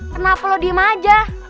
kenapa lu dimajah